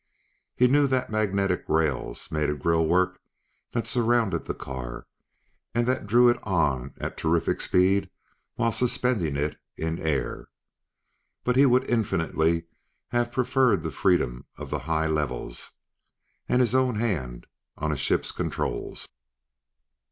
He knew that magnetic rails made a grillwork that surrounded the car and that drew it on at terrific speed while suspending it in air. But he would infinitely have preferred the freedom of the high levels, and his own hand on a ship's controls.